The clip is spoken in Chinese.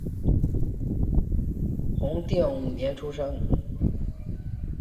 弘定五年出生。